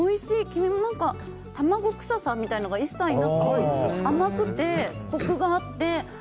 黄身も卵臭さみたいなのが一切なく、甘くて、コクがあって。